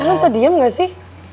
elang bisa diam gak sih